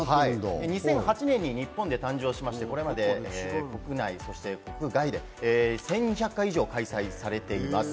２００８年に日本で誕生しまして、これまで国内、そして国外で１２００回以上開催されています。